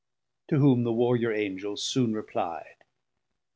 To whom the warriour Angel soon repli'd.